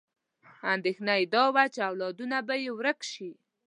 اندېښنه یې دا وه چې اولادونه به یې ورک شي.